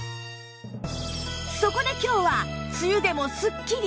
そこで今日は梅雨でもスッキリ！